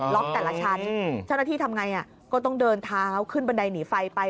แต่ละชั้นเจ้าหน้าที่ทำไงก็ต้องเดินเท้าขึ้นบันไดหนีไฟไป